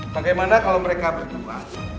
bagaimana kalau mereka bertugas